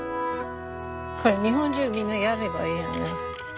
これ日本中みんなやればいいやんな。